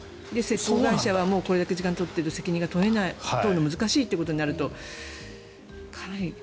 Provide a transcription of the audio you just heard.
不動産会社はこれだけ時間がたっていると責任が取れない、取るのが難しいとなるとかなり。